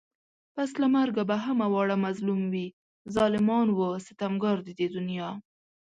پس له مرگه به همه واړه مظلوم وي ظالمان و ستمگار د دې دنيا